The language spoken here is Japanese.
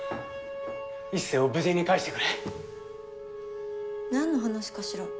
壱成を無事にかえしてくれ何の話かしら？